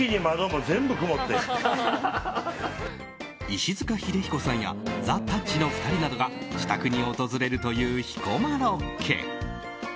石塚英彦さんやザ・たっちの２人などが自宅に訪れるという彦摩呂家。